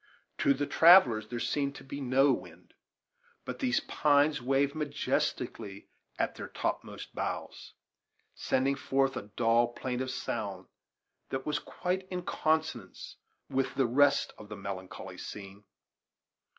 To the travellers there seemed to be no wind; but these pines waved majestically at their topmost boughs, sending forth a dull, plaintive sound that was quite in consonance with the rest of the melancholy scene.